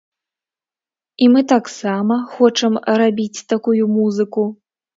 І мы таксама хочам рабіць такую музыку.